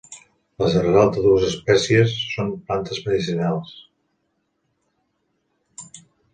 Les arrels de dues espècies són plantes medicinals.